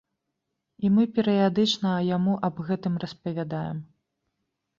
І мы перыядычна яму аб гэтым распавядаем.